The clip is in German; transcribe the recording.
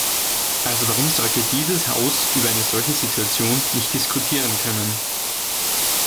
Also warum sollte dieses Haus über eine solche Situation nicht diskutieren können?